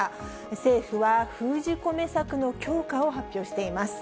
政府は封じ込め策の強化を発表しています。